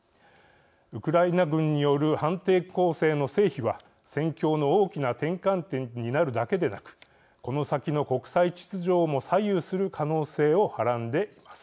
ウクライナ軍による反転攻勢の成否は戦況の大きな転換点になるだけでなくこの先の国際秩序をも左右する可能性をはらんでいます。